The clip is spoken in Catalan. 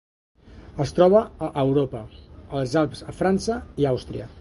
Es troba a Europa: els Alps a França i Àustria.